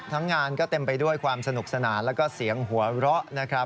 งานก็เต็มไปด้วยความสนุกสนานแล้วก็เสียงหัวเราะนะครับ